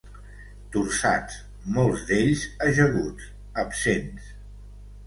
Torçats, molts d'ells ajaguts, absents.